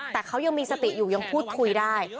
แต่เขายังมีสติอยู่ยังพูดคุยได้